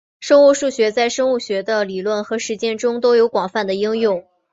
生物数学在生物学的理论和实践中都有广泛的应用。